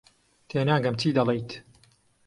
تێناگەم چی دەڵێیت.